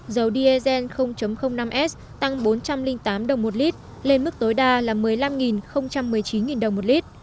dầu diesel năm s tăng bốn trăm linh tám đồng một lit lên mức tối đa một mươi năm một mươi chín đồng một lit